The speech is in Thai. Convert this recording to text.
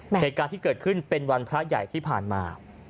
เหตุการณ์ที่เกิดขึ้นเป็นวันพระใหญ่ที่ผ่านมา